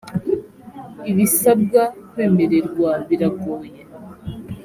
ibisabwa kwemererwa biragoye.